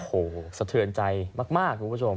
โอ้โหสะเทือนใจมากคุณผู้ชม